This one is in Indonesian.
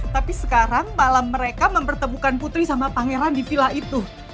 tapi sekarang malam mereka mempertemukan putri sama pangeran di villa itu